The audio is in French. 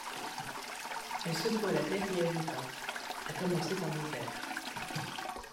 Elle secoua la tête et ajouta: — À commencer par mon père.